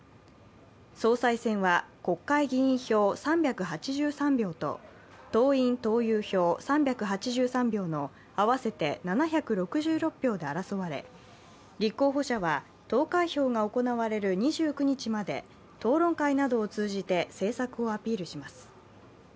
総裁選は国会議員票３８３票と党員・党友票３８３票の合わせて７６６票で争われ、立候補者は投開票が行われる２９日まで討論会などを通じて政策をアピールします。